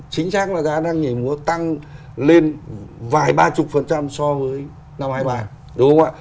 chính xác là giá đang nhảy múa tăng lên vài ba chục phần trăm so với năm hai bài